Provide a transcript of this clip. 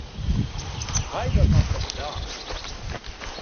Гайда завтра в театр!